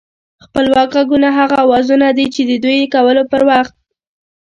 خپلواک غږونه هغه اوازونه دي چې د دوی کولو پر وخت